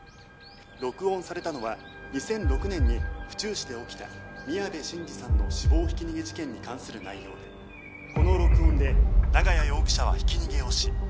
「録音されたのは２００６年に府中市で起きた宮部信二さんの死亡ひき逃げ事件に関する内容でこの録音で長屋容疑者はひき逃げをし」